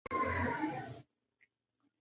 ډیجیټل وسایل ماشومان په زده کړه کې مرسته کوي.